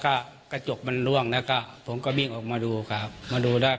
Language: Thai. ก็กระจกมันล่วงแล้วก็ผมก็วิ่งออกมาดูครับมาดูได้